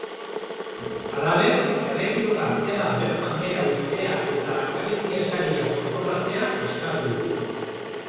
Halaber, erretiro partziala bertan behera uztea eta langabezia-saria kontrolatzea eskatu du.